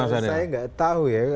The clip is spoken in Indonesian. saya tidak tahu ya